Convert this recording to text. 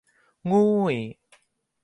งู่ย